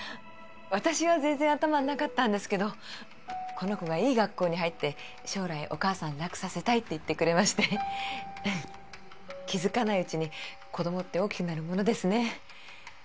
私は全然頭になかったんですけどこの子がいい学校に入って将来お母さん楽させたいって言ってくれまして気づかないうちに子供って大きくなるものですね